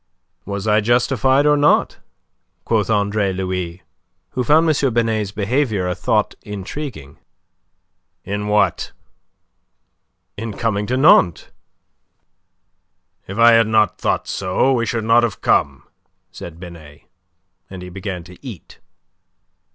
"Was I justified or not?" quoth Andre Louis, who found M. Binet's behaviour a thought intriguing. "In what?" "In coming to Nantes?" "If I had not thought so, we should not have come," said Binet, and he began to eat.